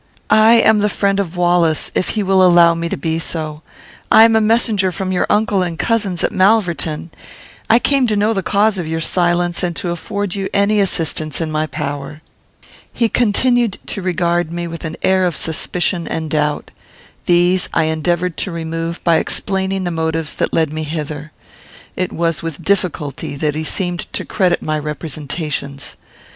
"I am the friend of Wallace, if he will allow me to be so. I am a messenger from your uncle and cousins at Malverton. I came to know the cause of your silence, and to afford you any assistance in my power." He continued to regard me with an air of suspicion and doubt. These I endeavoured to remove by explaining the motives that led me hither. It was with difficulty that he seemed to credit my representations.